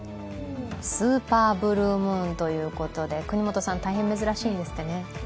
スーパーブルームーンということで國本さん、大変珍しいんですってね。